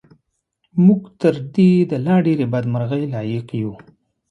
موږ تر دې د لا ډېرې بدمرغۍ لایق یو.